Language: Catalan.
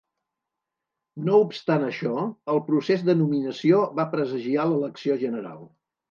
No obstant això, el procés de nominació va presagiar l'elecció general.